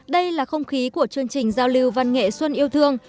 đây là không khí của chương trình giao lưu văn nghệ xuân yêu thương